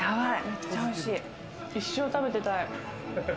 一生食べてたい。